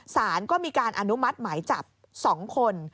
ศาลก็มีการอนุมัติไหมจับสองคน